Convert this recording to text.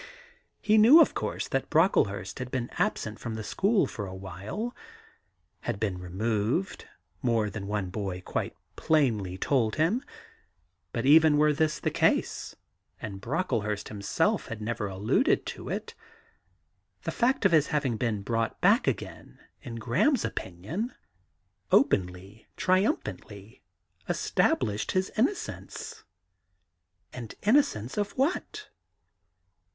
He knew, of course, that Brocklehurst had been absent from the school for a while — had been removed, more than one boy quite plainly told him — but even were this the case (and Brocklehurst himself had never alluded to it), the fact of his having been brought back again, in Graham's opinion, openly, triumphantly, established his innocence. And inno cence of what?